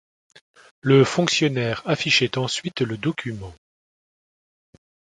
Le fonctionnaire affichait ensuite le document.